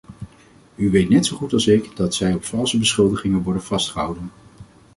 U weet net zo goed als ik dat zij op valse beschuldigingen worden vastgehouden.